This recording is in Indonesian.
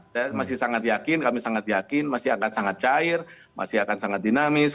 saya masih sangat yakin kami sangat yakin masih akan sangat cair masih akan sangat dinamis